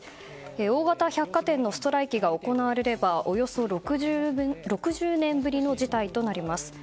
大型百貨店のストライキが行われればおよそ６０年ぶりの事態となります。